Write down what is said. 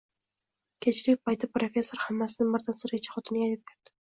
Kechlik paytida professor hammasini miridan-sirigacha xotiniga aytib berdi